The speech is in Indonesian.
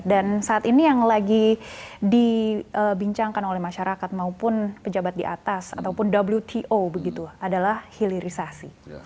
dan saat ini yang lagi dibincangkan oleh masyarakat maupun pejabat di atas ataupun wto begitu adalah hilirisasi